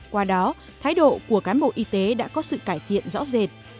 qua đó thái độ của cán bộ y tế đã có sự cải thiện rõ rệt